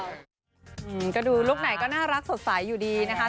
อืมก็ดูลุคไหนก็น่ารักสดใสอยู่ดีนะคะ